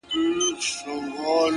• د شپې ویښ په ورځ ویده نه په کارېږي,